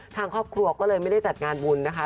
ทางครอบครัวก็เลยไม่ได้จัดงานบุญนะคะ